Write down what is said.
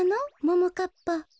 ももかっぱ。